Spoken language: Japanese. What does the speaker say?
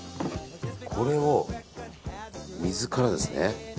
これを、水からですね。